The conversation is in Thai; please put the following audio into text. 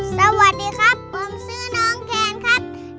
สวัสดีครับผมชื่อน้องแคนครับ